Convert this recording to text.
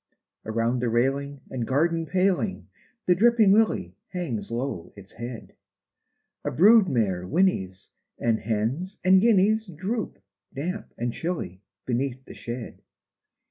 Around the railing and garden paling The dripping lily hangs low its head: A brood mare whinnies; and hens and guineas Droop, damp and chilly, beneath the shed.